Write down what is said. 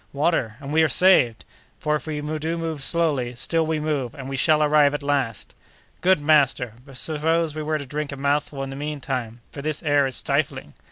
water! and we are saved; for if we do move slowly, still we move, and we shall arrive at last!" "Good, master! but suppose we were to drink a mouthful in the mean time, for this air is stifling?"